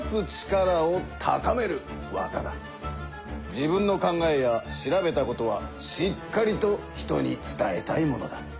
自分の考えや調べたことはしっかりと人に伝えたいものだ。